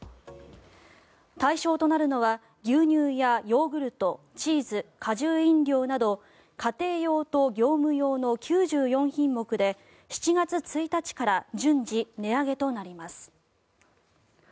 対象となるのは牛乳やヨーグルトチーズ、果汁飲料など家庭用と業務用の９４品目で７月１日から順次、値上げとなります。